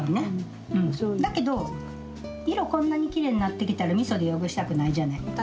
だけど色こんなにきれいになってきたらみそで汚したくないじゃない。